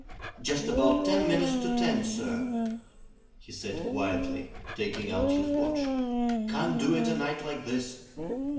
"Just about ten minutes to ten, sir," he said quietly, taking out his watch. "Can't do it a night like this."